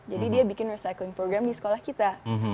jadi dia bikin recycling program di sekolah kita